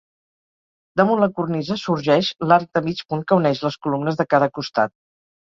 Damunt la cornisa sorgeix l'arc de mig punt que uneix les columnes de cada costat.